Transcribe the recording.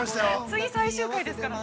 ◆次、最終回ですからね。